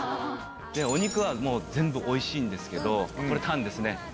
お肉はもう全部おいしいんですけど、これ、タンですね。